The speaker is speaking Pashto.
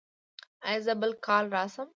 ایا زه بل کال راشم؟